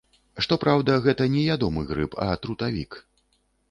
Што праўда, гэта не ядомы грыб, а трутавік.